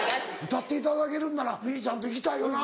歌っていただけるんなら未唯ｍｉｅちゃんと行きたいよな。